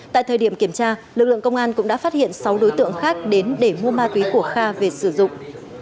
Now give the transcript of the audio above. tại thời điểm kiểm tra lực lượng công an cũng đã phát hiện sáu đối tượng khác đến để mua ma túy của kha về sử dụng